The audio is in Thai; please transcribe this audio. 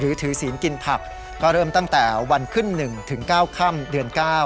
ที่ถือศีลกินผักก็เริ่มตั้งแต่วันขึ้น๑นาทีถึง๙ขั้มือน๙